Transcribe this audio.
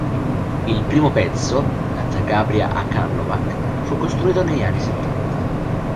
Il primo pezzo da Zagabria a Karlovac fu costruito negli anni settanta.